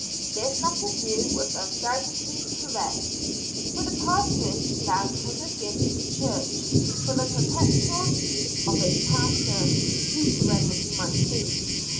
This latter view was undoubtedly correct; for the parsonage land was a gift to the church, for the perpetual use of its pastor, whosoever he might be.